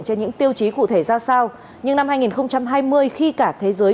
trên những tiêu chí cụ thể ra sao nhưng năm hai nghìn hai mươi khi cả thế giới